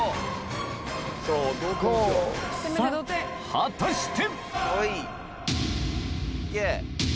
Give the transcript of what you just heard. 果たして！